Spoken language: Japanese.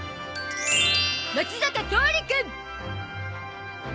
松坂桃李くん